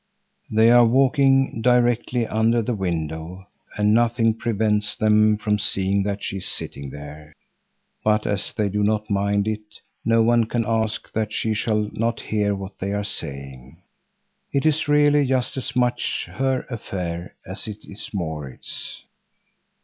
They are walking directly under the window and nothing prevents them from seeing that she is sitting there; but as they do not mind it, no one can ask that she shall not hear what they are saying. It is really just as much her affair as it is Maurits's.